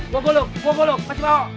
gua gua lo gua gua lo masih mau